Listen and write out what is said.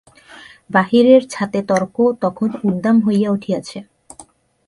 বাহিরের ছাতে তর্ক তখন উদ্দাম হইয়া উঠিয়াছে।